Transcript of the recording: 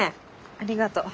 ありがとう。